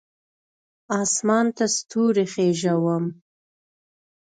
اسمان ته ستوري خیژوم